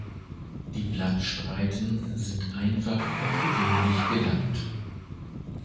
Die Blattspreiten sind einfach und gewöhnlich gelappt.